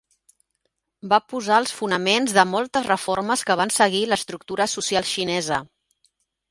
Va posar els fonaments de moltes reformes que van seguir l'estructura social xinesa.